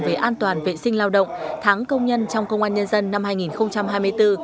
về an toàn vệ sinh lao động tháng công nhân trong công an nhân dân năm hai nghìn hai mươi bốn